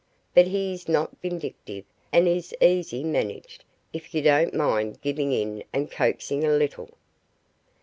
But he is not vindictive, and is easy managed, if you don't mind giving in and coaxing a little."